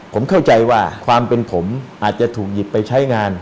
ผมเข้าใจว่าความเป็นผมอาจจะถูกหยิบไปใช้งาน